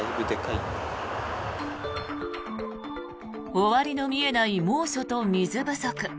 終わりの見えない猛暑と水不足。